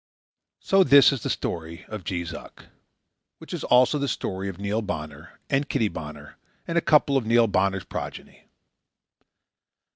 So this is the story of Jees Uck, which is also the story of Neil Bonner, and Kitty Bonner, and a couple of Neil Bonner's progeny.